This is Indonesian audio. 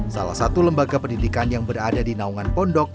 salah satu lembaga pendidikan yang berada di naungan pondok